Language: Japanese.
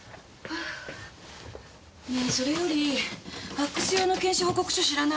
ねぇそれよりファクス用の検視報告書知らない？